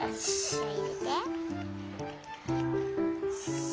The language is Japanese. じゃあいれて。